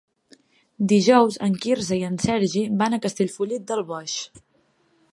Dijous en Quirze i en Sergi van a Castellfollit del Boix.